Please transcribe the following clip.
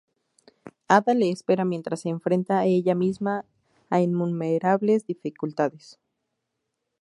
Ada le espera mientras se enfrenta ella misma a innumerables dificultades.